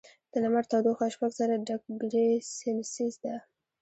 د لمر تودوخه شپږ زره ډګري سیلسیس ده.